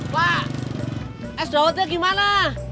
pak es daudnya gimana